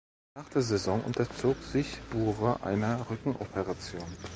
Nach der Saison unterzog sich Bure einer Rückenoperation.